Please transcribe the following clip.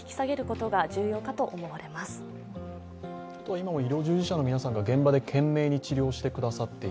今も医療従事者の皆さんが現場で懸命に医療をしてくださってい